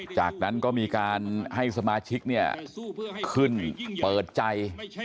จากนั้นก็มีการให้สมาชิกเนี่ยขึ้นเปิดใจ